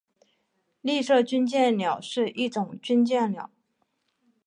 丽色军舰鸟是一种军舰鸟。